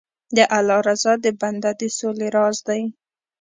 د الله رضا د بنده د سولې راز دی.